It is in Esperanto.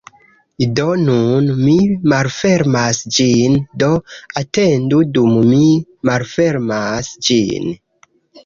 Do nun mi malfermas ĝin, do atendu dum mi malfermas ĝin.